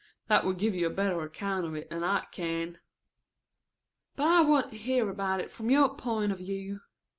That would give you a better account of it than I can." "But I want to hear about it from your point of view.